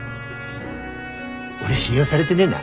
俺信用されでねえな。